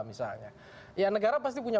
misalnya ya negara pasti punya